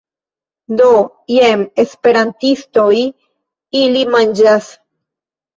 Do, jen esperantistoj... ili manĝas...